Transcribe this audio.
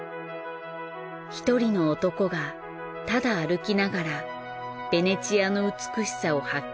一人の男がただ歩きながらヴェネチアの美しさを発見し直していく。